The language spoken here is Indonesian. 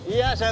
iya saya denger